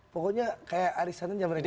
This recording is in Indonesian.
pokoknya kayak aris hanan yang meragukan